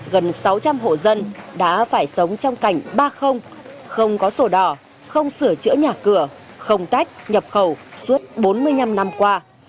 gần sáu trăm linh hộ dân đã phải sống trong cảnh ba không có sổ đỏ không sửa chữa nhà cửa không tách nhập khẩu suốt bốn mươi năm năm qua